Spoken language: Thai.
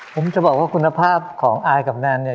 ผมจะบอกว่าคุณภาพของอายกับแนนเนี่ย